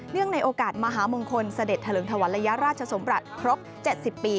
เนื่องในโอกาสมหามงคลเสด็จทะเลิงทวรรยาราชสมรรถครบ๗๐ปี